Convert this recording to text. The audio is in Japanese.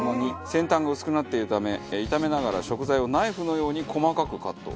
先端が薄くなっているため炒めながら食材をナイフのように細かくカット。